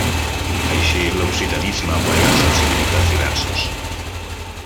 Així l'occitanisme aplega sensibilitats diverses.